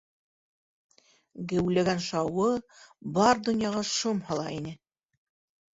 Геүләгән шауы бар донъяға шом һала ине.